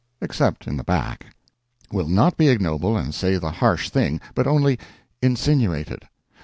Except in the back. Will not be ignoble and say the harsh thing, but only insinuate it.